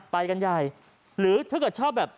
ไปกันใหญ่หรือถ้าเกิดชอบแบบ